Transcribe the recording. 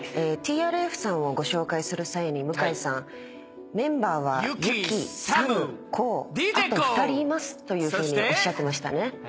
ＴＲＦさんをご紹介する際に向井さん「メンバーはＹＵ−ＫＩＳＡＭＫＯＯ」「あと２人います」というふうにおっしゃってましたね。